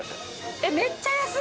えっめっちゃ安い。